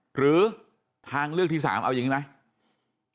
หรือทางเลือกที่๓เอาอย่างนี้ไหม